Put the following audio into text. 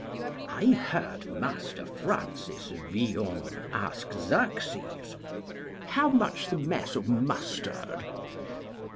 I heard Master Francis Villon ask Xerxes, How much the mess of mustard?